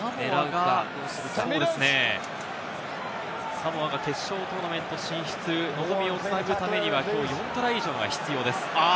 サモアが決勝トーナメント進出へ望みをつなぐためには、きょう４トライ以上が必要です。